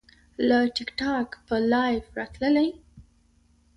له ټیک ټاک به لایو راتللی